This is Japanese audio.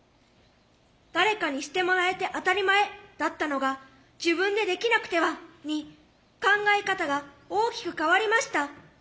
「誰かにしてもらえて当たり前」だったのが「自分でできなくては」に考え方が大きく変わりました。